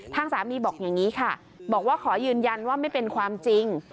ทางสามีบอกอย่างนี้ค่ะบอกว่าขอยืนยันว่าไม่เป็นความจริง